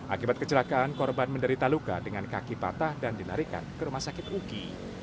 akibat kecelakaan korban menderita luka dengan kaki patah dan dilarikan ke rumah sakit uki